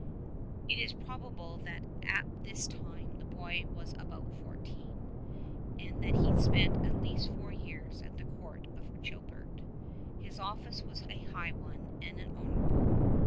95 It is probable that at this time the boy was about four teen, and that he spent at least four years at the Court of Childebert. His office was a high one and an honourable.